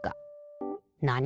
なに？